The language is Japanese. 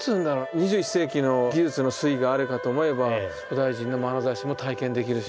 ２１世紀の技術の粋があるかと思えば古代人のまなざしも体験できるし。